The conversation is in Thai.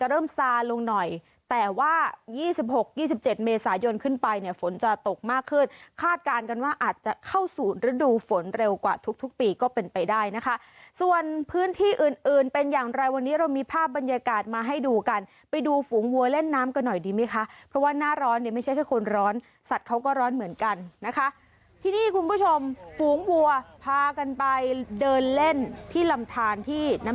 จะเริ่มซาลงหน่อยแต่ว่า๒๖๒๗เมษายนขึ้นไปเนี่ยฝนจะตกมากขึ้นคาดการณ์กันว่าอาจจะเข้าสู่ฤดูฝนเร็วกว่าทุกทุกปีก็เป็นไปได้นะคะส่วนพื้นที่อื่นอื่นเป็นอย่างไรวันนี้เรามีภาพบรรยากาศมาให้ดูกันไปดูฝูงวัวเล่นน้ำกันหน่อยดีไหมคะเพราะว่าหน้าร้อนเนี่ยไม่ใช่แค่คนร้อนสัตว์เขาก็ร้อนเหมือนกันนะคะที่นี่คุณผู้ชมฝูงวัวพากันไปเดินเล่นที่ลำทานที่น้ำ